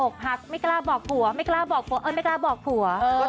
ไม่กล้าบอกผัวไม่กล้าบอกผัวเอิ้นไม่กล้าบอกผัว